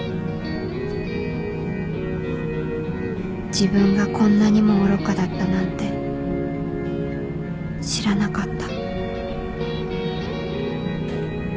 自分がこんなにも愚かだったなんて知らなかった